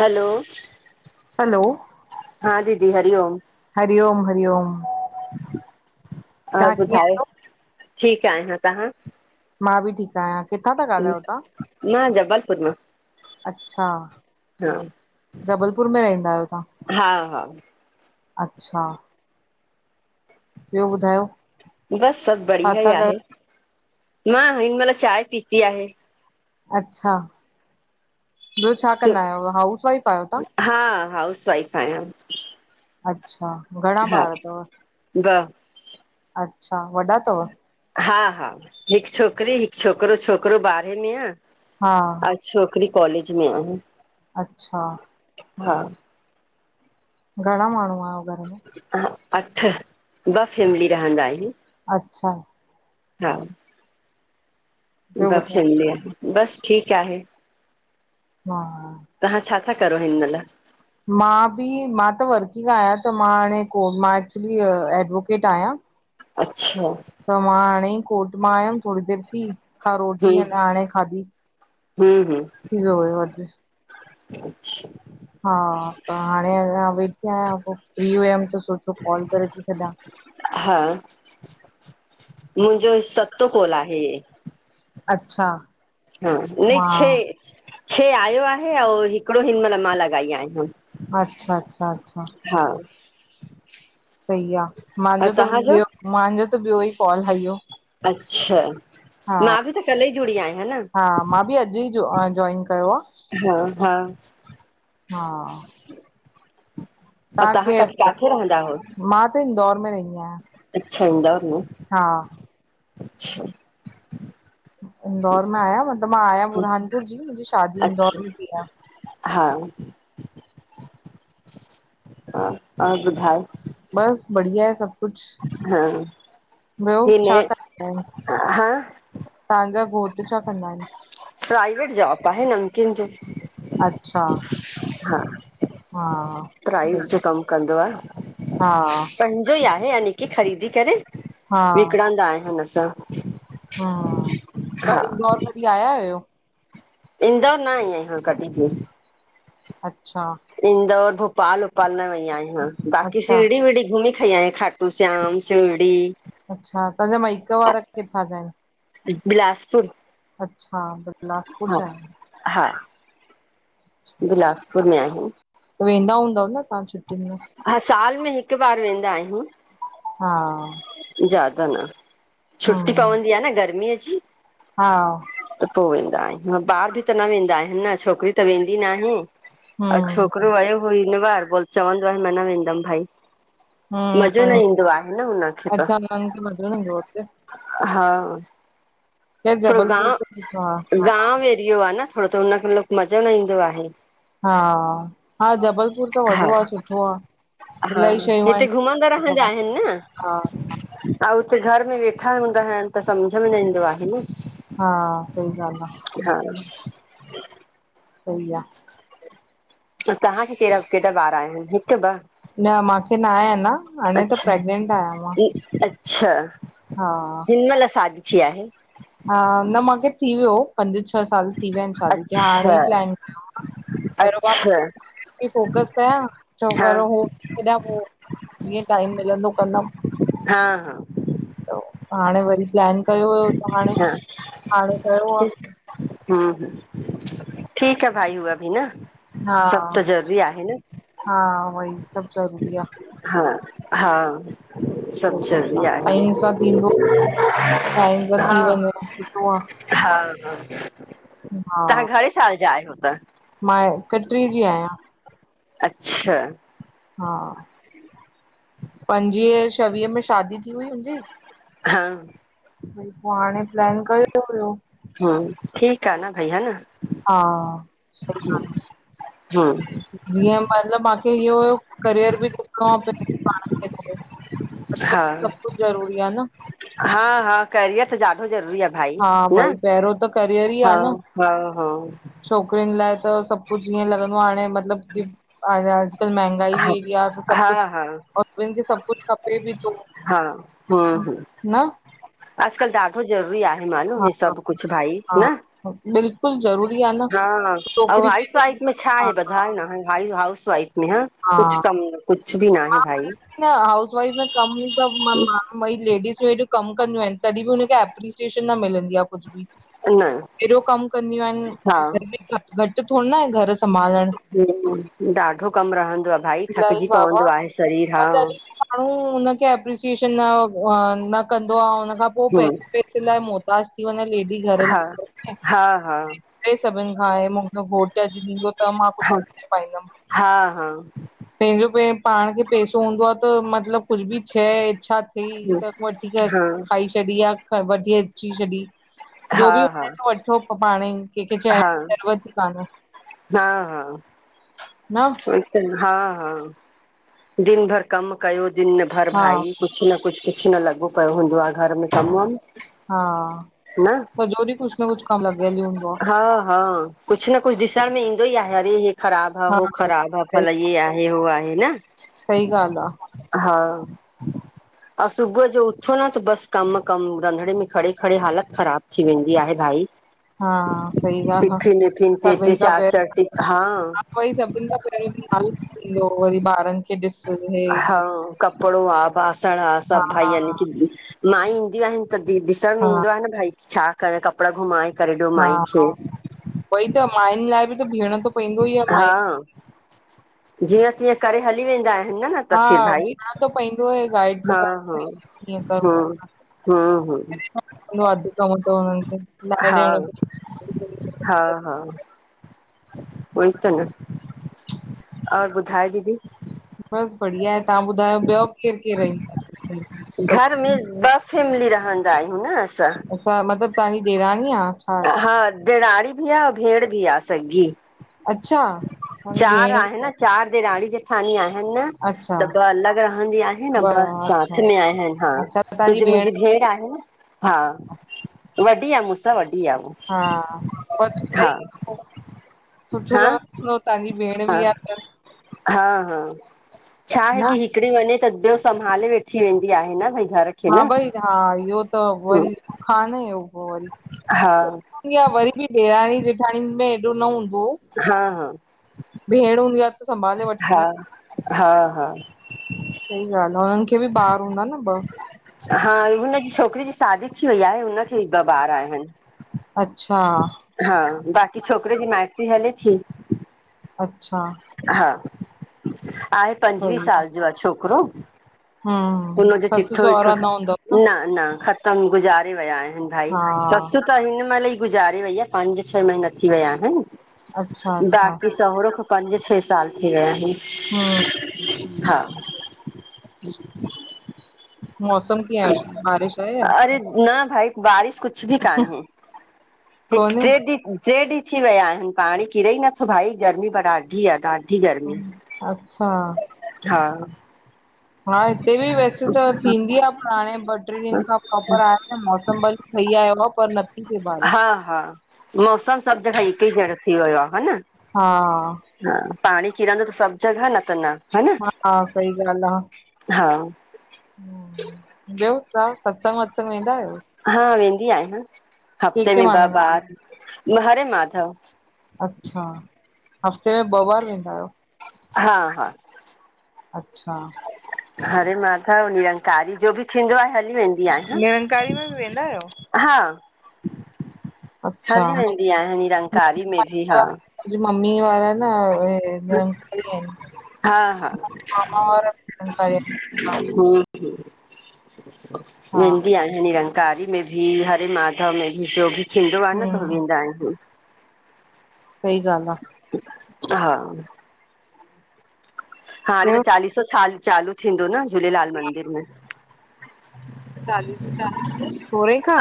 हलो। Hello. हा दीदी हरिओम। हरिओम हरिओम। ओर तव्हां कीअं ॿुधा आहियो? ठीक आयां। तव्हां? मां बि ठीक आयां। मां जबलपुर मां। अच्छा। जबलपुर में रहंदा आयो हा तव्हां? हा हा अच्छा। ॿियो ॿुधायो? बस सभ छा बढ़िया ई था कयो? आहे, मां हिन मल चांह पीती आहे। अच्छा। ॿियो छा सु कंदा आयो? हाउस वाइफ आयो तव्हां? हा। हाउस वाइफ आयां। अच्छा घणा ॿार तव? ब। अच्छा वॾा तव? हा हा हिक छोकरी, हिक छोकरो, छोकरो ॿारहें में आह। हा। अंउ छोकिरी कॉलेज में आ। अच्छा। हा। घणा माण्हू आहियो घर में? ह, अठ, ॿ फैमिली रहंदा आहिनि। अच्छा। हा। ॿियो ॿ ॿुधायो फैमिलियूं, बस ठीकु आहे। हा। तहां छा था करो, हिन मइल? मां बि, मां त वर्किंग आहियां, त मां हाणे कोर्ट मां एक्चुली एडवोकेट आहियां। [inaudible] अच्छा! त मां हाणे ई कोर्ट मां आयमि थोड़ी देर थी। माँ रोटी हम्म अॾा हाणे खाधी, थी वियो हूयो अद अच्छा हा, त हाणे अंञां वेठी आहियां, पो फ्री हुयमि त सोचो कॉल करे थी छॾियां। हा। मुंहिंजो सतो कोल आहे हे। अच्छा। हा। न, छे,, मां छे आयो आहे, ऐं हिकिड़ो हिन मइल, मां लॻाई आहियां। अच्छा, अच्छा, अच्छा। हा सही आ। और मांहांजो त तव्हांजो ॿियो मांजो त ॿियो ई कॉल हा हियो। अच्छा! हा। मां बि त कल्ह ई जुड़ी आहियां न हा मां बि अॼु ई जॉइन कयो आ। हा -हा। हा। ऐं तव्हां क काथे रहंदा आहो? मां त इंदौर में रइंदी आहियां। अच्छा हूंदा उआ। हां अछा इंदौर मां आहियां मतलबु मां आहियां बुरहानपुर जी मुंहिंजी शादी इंदौर में थी आ। हां, हां और ॿुधाओ? बस बढ़िया आहे सभु कुझु, हा ॿियो हे न छा करदां आइन? हा तहांजा घोट छा कंदा आहिनि? प्राइवेट जॉब आहें नमकीन जो। अच्छा हा। हा प्राइस सही जो कमु कंदो आ। हा हा विकणंदा आहिन असां। तंहां हा इंदौर कॾी आया आयो? इंदौर न आई आंयां कॾहिं बि। अच्छा इंदौर, भोपाल भोपाल न वई आहियां बाक़ी अच्छा शीरडी वीरढ़ी घुमी थीं आई अया खाटू श्याम शिरड़ी अच्छा तव्हांजा माइके वारा किथां जा आहिंनि? बिलासपुर। अच्छा बिलासपुर हा जा हा अच्छा पुनः हुं [unintelligible] वेंदा हूंदव न तव्हां छुट्टियुनि में? हां साल में हिक बार वेंंदा आहियूं। हां ज्यादा न छुंटी पवंदी आहे न गर्मीअ जी। हां त पोइ वेंदा आहियूं ॿार बि त न वेंदा आहिनि न छोकिरी त वेंदी नाहें। अ हम्म छोकिरो वयो हुओ न हिन बार चवंदो आहे मा न वेंदम भाई। मज़ो न ईंदो आहें। [unintelligible] मजो न ईदें आ हुते। हां या थोरो गांव, जबलपुर त सुठो आ हा गांव एरियो आहें न थोरो त हुनखे मज़ो न ईंदो आहें। हां हा जबलपुर त वॾो आहें सुठो आहें। हां हिते घुमंदा रहंदा आहिनि हा न। हां उते घर में वेठा हूंदा आहिनि त समझ में न ईंदो आहें न। हां सही गाल आहें, हा सही आ। तव्हांखे कहिड़ा केतरा ॿार आहिनि हिकु ॿ? न मांखे न आहिय न हाणे त अच्छा प्रेग्नेंट आहियां मां। अच्छा हां हिनमहिल सादी थी आहें? हां न माखें थी वियो हो पंज छह साल थी विया आहिनि शादी खे हाणे अच्छा प्लान कयो न। पैरू मां अच्छा [inaudible] फोकस कयां छो हा करू हो हेंॾा पो जीअं टाइम मिलंदो कंदमि। हां हां हाणे वरी प्लान कयो हुयो त हाणें हां ठीक आ। हम्म हूं ठीकु आहें भाई हू भी न। सभु हां त ज़रूरी आहे न हां वई सभु ज़रूरी आ। हा हा सभ सही ॻाल्हि आ, ज़रूरी आहे। टाइम सां थींदो टाइम सां हा थी हा वञे सुठो आ। हा तव्हां हा, घणे साल जा आहियो त? मां इक्टरी जी आहियां। अचछा हा पंजवीह छवीह में शादी थी हुई हुनजी हा पोइ हाणे प्लान कयो हुयो। हां ठीकु आ न भई हा न हा, हम्म जीअं महल माखें इहो हुयो। करियर बि ॾिसणो आहे पंहिंजे पाण खे थोरो। हा ज़रूरी आ न हा- हा करियर त ज्यादा ज़रूरी आहे। भाई हा न! भई पहिरियों त हा -हा -हा छोकिरियिन लाइ त सभु कुझु ईअं लॻंदो आहे हाणे मतलब की अॼकल्ह महांगाई बि हेडी आहे त सभु हा कुझु हा हा औ सभिनि खे सभु कुझु खपे थो। हा, हम- हम न अॼकल्ह ॾाढो ज़रूरी आहे मालूम हा ही सभु कुझु भाई, न? हा बिल्कुलु ज़रूरी आ न हा ऐं छोकिरी हाउस पहिरीं वाइफ में छा हा आहे हा बुधाय न? हाउस वाइफ म नेहा कुछ कम न कुझु बि आहे मार भाई पाएस [inaudible] न हाउस वाइफ में कमु त मई लेडीसूं हेॾूं कमु कंदियूं आहिनि, तॾहिं बि हुनखे एप्रीसिएशन न मिलंदी आहे कुझु बि। न अहिड़ो कम कंदियूं हा आहिनि घ घटि थो न आहे घर संभालणु। ॾाढो कमु रहंदो आ भाई इलाही थकिजी बाबा पवंदो आ हा तॾहिं भी माण्हू हुनखे एप्रीसिएशन न- न कंदो आ, हुन खां पोइ हूं पैसे- पैसे लाइ मुहताज थी वञे लेडी घर में हा हा हा चै सभिनि खां आहे मुंहिंजो घोट अची ॾिदों त मां कुझु हा खरीदे पाईंदमि। हा हा पंहिंजो पे पाण खे पैसो हूंदो आ त मतलबु कुझु बि शइ इच्छा हूं त वठी कर हा हा खाई छॾी आ, वठी अची छॾी जो बि हा हा वणे थो वठो पाणे ई, कंहिंखे चण जी ज़रूरत ई कान्हे। हा- हा न उविइ त, हा- हा दिन भर कम कयो, दिन भर हा भाई कुझु कुझु न कुझु, कुझु न लॻो पियो हूंदो आहे घर में कम वम हा न सॼो डीह कुझ न कुझ कम लॻिय ई हूंदो आ। हा हा कुझु न कुझु ॾिसण में ईंदो ई आहे। अरे! हे ख़राब आ, हो ख़राब हा भला ये आहे, हो आहे न? सही ॻाल्हि आ। हा अ सुुबुह जो छो न त बसि कमु- कमु रंधिणे में खड़े- खड़े हालति ख़राबु थी वेंदी आहे भाई। हा सही ॻाल्हि टिफिन विफिन आ, ते ते सभिनि खां चार चार टि हा पहिरयो वरी सभिनि खां पहिरियों नाश्तो हूंदो, वरी ॿारनि खे ॾिस हे हा कपड़ो आ, बासण आ हा सभु भाई न माई ईंदियूं आहिनि त द ॾिसण में हा ईंदो आहे न भई छा? कपिड़ा घुमाए करे ॾियो हा माई हा खे वई त, माइुनि लाइ बि त बीहणो थो प हा, जीअं -तीअं करे हली वेंदा आहिनि। ह [inaudible] न त फ हा भाई बीहणो त पवंदो आहे गाइड त हा कर हा कीअं ह हु हु हा [unintelligible] पवंदो। हा- हा हुई त न और ॿुधाए दीदी? बसि बढ़िया आहे। तव्हां ॿुधायो ॿियो केरु -केरु रंदो आहे घर में? घर में बस [unintelligible] फैमिली रहंदा आहियूं न असां अच्छा मतिलबु तव्हांजी ॾेराणी आ छा? हा ॾेराड़ी बि आ भेॾं बि आ सॻी अच्छा तव्हांजी चार भेण आहे बि न चार ॾेराणी जेठानी आहेन न अच्छा त ॿ अलॻि रहंदी आहे न, ब ॿ अच्छा साथ में आहिनि हा अच्छा तो तव्हांजी जो मुंहिंजी भेण आहे न हा वॾी आहे मूंसां वॾी आ हा, [unintelligible] सुठो हा हा लॻंदो तव्हांजी भेण हा बि आहे त हा हा छाहे न की हिकड़ी वञे त ॿयो संभाले वेठी वेंदी आहे न भई घर खे हा न भई हा इहो त वरी सुख आ न इयो वरी हा आहे वरी बि ॾेराणी जेठाणी में एॾो न हूंदो हा हा भेण हूंदी आहे त संभाले वठंदी हा आहि हा हा सही ॻाल्हि आ, हुननि खे बि ॿार हूंदा न ॿ हा हुनजी छोकिरीअ जी शादी थी वई आहे हुन खे ॿ ॿार आहिनि अच्छा हा बाक़ी छोकिरे जी माइटरी हले थी अच्छा हा आहे पंजवीह साल जो आ छोकिरो हम्म हुनजो ससु चिठो विठो सहुरा न ठा हूंदव न न ख़तम गुज़ारे विया आहिनि भाई हा ससु त हिन महिल ई गुज़ारे वई आ पंज छह महीना थी विया अच्छा आहेन अच्छा बाक़ी सओरो ख पंज छह साल थी विया हम्म आहिनि। सही आ। हा [inaudible] मौसम कीअं आहे हुते बारिश आहे या अरे न भाई बारिश कुछ बि कान्हे हिकु कोन्हे? टे ॾींहुं टे ॾींहं थी विया आहिनि पाणी किरे ई नथो भाई गर्मी पर ॾाढी आहे ॾाढी गर्मी अच्छा। हा हा हिते बि वैसे त थींदी आ हाणे ॿ टे ॾींहंनि खां प्रोपर आया मौसम भली ठही आयो आहे पर न हा, हा मौसम सभु जॻह हिकु ई जहिड़ो थी वियो आहे। हा न हा हा पाणी किरंदो त सभु जॻह न त न हा हा सही ॻाल् आ हा ॿियो तवा सत्संग वत्संग वेंदा आहियो हा वेंदी आहियां के हफ़्ते के में ॿ मांगंदा आहियो? ॿार। हरे माधव अच्छा, हफ़्ते में ॿ बार वेंदा आहियो हा हा अच्छा, हरे माधव निरंकारी जो बि थींदो आ हली वेंदी आहियां निरंकारी में बि वेंदा आहियो हा अच्छा, हली वेंदी आया निरंकारी में बि हा अज़ मम्मी वारा न [unintelligible] निरंकारी आहिनि, हा हा मामा वारा बि निरंकारी आहिनि। [unintelligible] हा बि आहिनि। निरंकारी में बि, हरे माधव में बि, जो बि थींदो आ न त हम्म वेंदा आहिनि। सही गाल्हि आ। हा हाणे त ॿियो? चालीसो सालु चालू थींदो न झूलेलाल मंदिर में। चालू थींदा। सोरे खा़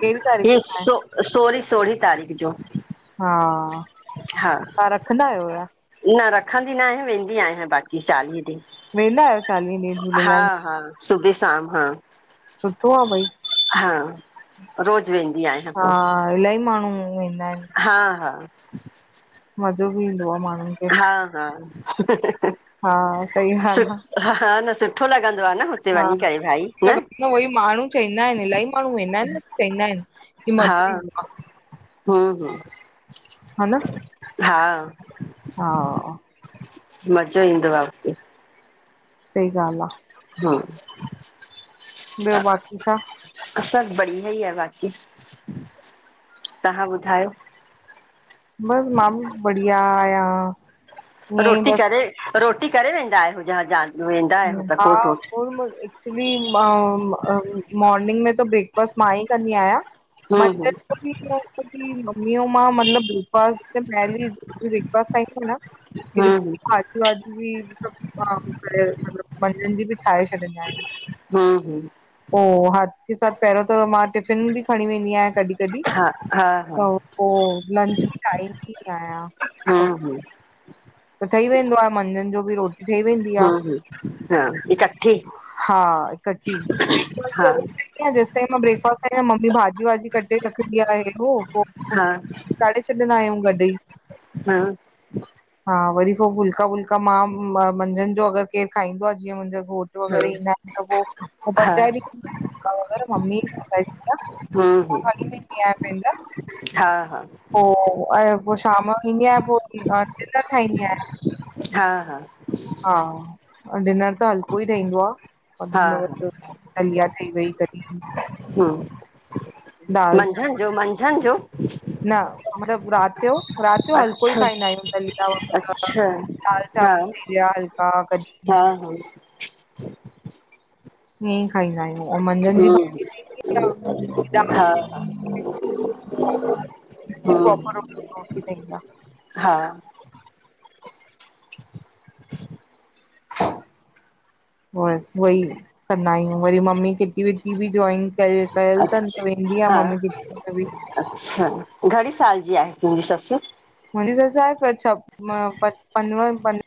केॾी़ तारीख़ खा आहे। सोरी- सोरिह़ तारीख़ जो हां, हा तां रखंदा आहियो छा। न रखंदी न आया, वेंदी आहियां बाक़ी चालीह ॾींहुं। वेंदा आहियो चालीह ॾींहुं झूलेलाल सुबह-शाम हा। सुठो आ भई। हां रोज़ वेंदी आहिय। हां इलाही माण्हू वेंदा आहिनि। हा हा मज़ो भी ईंदो आ माण्हू। हा हा हा सही सु ॻाल्हि हा हा न सुठो लग़दो आ न हुते वंञी करे भाई। न उवई माण्हू चईंदा आहिनि इलाही माण्हू वेंदा आहिनि न चईंदा आहिनि की मज़ो ईंदो आ। हू हू हा न हा हा मज़ो ईंदो आ। सही ॻाल्हि आ। हा ॿियो़ बाक़ी छा? सभु बढ़िया ई आ बाक़ी, तहां ॿुधायो? बसु मां बि बढ़िया आया। रोटी करे, रोटी करे वेंदा आहियो ज जा वेंदा आहियो त कोट वोट? सुमर ॾींहं एक्चुअली मां अ मोर्निंग में त ब्रेकफास्ट मां ई कंदी आहियां। हूं हूं मंझनि जो बि एक्चुअली मम्मी अऊं मां मतिलबु ब्रेकफास्ट ते पहली ब्रेकफास्ट ताई त न। ऐक्चुअली हूं भाजी वाजी बि सभु काम करे मतिलबु मंझनि जी बि ठाहे छॾंदा आहिनि। हू हू पो हाथ के साथ पेहरो त मां टिफ़िन बि खणी वेंदी आया कॾी। तॾी, हा हा हा त पो लंच बि ठाहे ईंदी आहियां। हा अ, हू त ठही वेंदो आ मंझनि जो बि रो टी ठई वेंदी आ, हूं हूं हा इकट्ठी हां इकट्ठी। पो ब्रेकफास्ट बि हा हले? इंदी आ जेसिताईं मां ब्रेकफास्ट ठाइदी आ, मम्मी भाॼी वाॼी कटे रखंदी आहे हेॾो पो हा चाढे छॾंदा आहियूं गॾई। हा हा वरी पो फुल्का वुल्का मां मंझंनि जो अगरि केर खाईंदो आ जीअं मुंहिंजो घोटु वग़ैरह ईंदा आहिनि त पोइ पचाएींदी वगेरह ममी च हलाईदी आ। मां हम्म खणी वेंदी आया पहिंजा। हा, हा- हो ऐं पो शामयो ईंदी आयां पो [unintelligible] ठाहींदी आहियां। हा, हा। हा डिनर त हलको ई ठहंदो आ हा वध में वध दलिया ठई वई कॾहिं हम दाल चांवर मंझंद जो मंझंद जो न मतिलब रात यो रात यो हलको ई अच्छा खाईंदा आहियूं दलिया वगैैर अच्छा दाल हा चांवल थी विया हलका कॾहिं हा हा। ईअं ई खाईंदा आहियूं ऐं मंझंदि जी हम्म भाॼींदी दाल हा हा [unintelligible] [unintelligible] हम्म प्रोपर रोटी [unintelligible] हा। [inaudible] बस उहई कंदा आहियूं वरी मम्मी किटी विटी बि जोॉइन कय कयल तन त वेंदी अच्छा आ हा मम्मी किटी में बि अच्छा घणी साल जी आहे तुंहिंजी सस? मुंजी ससु आहे सां छ पंव पंवन